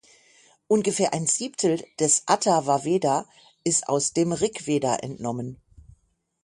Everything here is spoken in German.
Ungefähr ein Siebtel des Atharvaveda ist aus dem Rigveda entnommen.